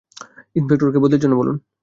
Inspector কে বদলির জন্য বলুন।